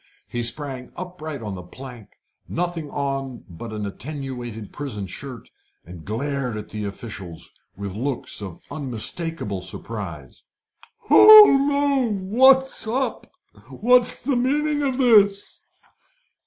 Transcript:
He sprang upright on the plank, nothing on but an attenuated prison shirt, and glared at the officials with looks of unmistakable surprise. "Holloa! What's up! What's the meaning of this?"